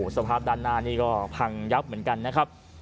สภาพด้านหน้านี่ก็พังยับเหมือนกันนะครับ